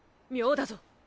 妙だぞ！